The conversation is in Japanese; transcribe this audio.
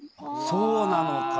そうなのか。